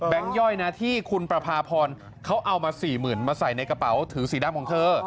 แบงค์ย่อยนะที่คุณประพาพรเขาเอามาสี่หมื่นมาใส่ในกระเป๋าถือสี่ด้านของเธออ๋อ